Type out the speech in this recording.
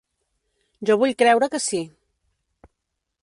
Jo vull creure que sí.